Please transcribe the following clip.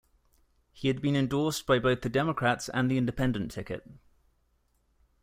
He had been endorsed by both the Democrats and the Independent ticket.